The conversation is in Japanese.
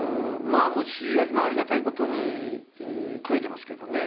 もし今ありがたい事に食えてますけどね。